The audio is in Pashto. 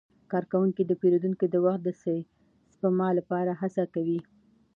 کارکوونکي د پیرودونکو د وخت د سپما لپاره هڅه کوي.